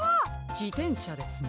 じてんしゃですね。